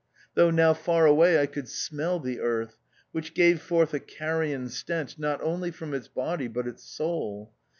Though now far away, I could smell the Earth, which gave forth a carrion stench not only from its body but its soul.